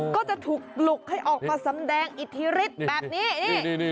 ก็จะถูกปลุกให้ออกมาสำแดงอิทธิฤทธิ์แบบนี้นี่